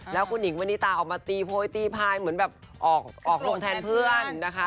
แล้วคุณหญิงมณิตาออกมาตีโพยตีพายเหมือนแบบออกโรงแทนเพื่อนนะคะ